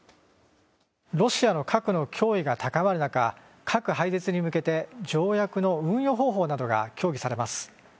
ロシアの核の脅威が高まる中核廃絶に向けて条約の運用方法などが協議されます。